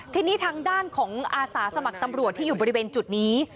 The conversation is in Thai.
ทีนี้ทางด้านของอาสาสมัครตำรวจที่อยู่บริเวณจุดนี้